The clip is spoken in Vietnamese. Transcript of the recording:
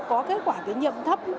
có kết quả tín nhiệm thấp